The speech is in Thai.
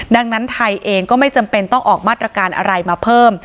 ดังนั้นไทยเองก็ไม่จำเป็นต้องออกมาตรการอะไรมาเพิ่ม